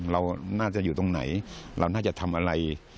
เราน่าจะอยู่ตรงไหนเราน่าจะทำอะไร